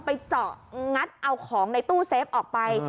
ไปเจาะงัดเอาของในตู้เซฟออกไป